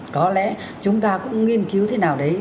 có lẽ chúng ta cũng nghiên cứu thế nào đấy